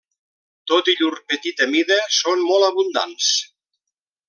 Tot i llur petita mida, són molt abundants.